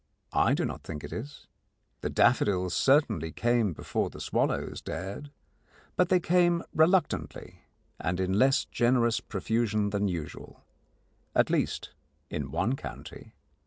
I do not think it is. The daffodils certainly came before the swallows dared, but they came reluctantly and in less generous profusion than usual at least, in one county.